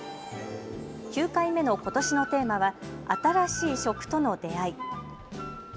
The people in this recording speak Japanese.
９回目のことしのテーマは新しい食との出会い。